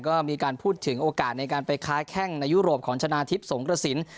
ก็มีการพูดถึงโอกาสในการไปค้าแข้งในยุโรปของชนะทิพย์สงกระสิน